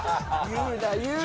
言うな言うな！